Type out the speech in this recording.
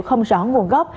không rõ nguồn gốc